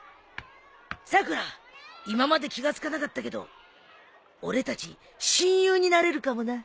さくら今まで気が付かなかったけど俺たち親友になれるかもな。